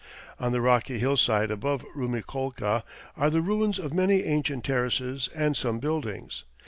On the rocky hillside above Rumiccolca are the ruins of many ancient terraces and some buildings.